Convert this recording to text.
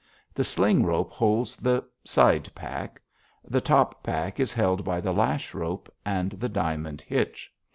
The sling rope holds the side pack; the top pack is held by the lash rope and the diamond hitch.